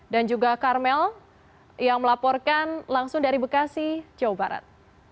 dan juga carmel yang melaporkan langsung dari bekasi jawa barat